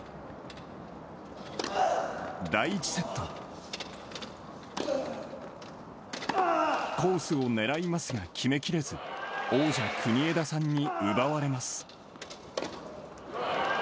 第１セット。コースを狙いますが決めきれず、王者、国枝さんに奪われます。